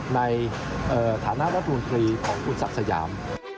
ในฐานะรัฐมนตรีของคุณศักดิ์สยาม